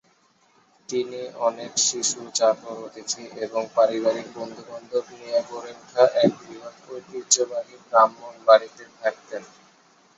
তিনি অনেক শিশু, চাকর, অতিথি এবং পারিবারিক বন্ধুবান্ধব নিয়ে গড়ে উঠা এক বৃহৎ ঐতিহ্যবাহী ব্রাহ্মণ বাড়িতে থাকতেন।